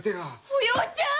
お葉ちゃん。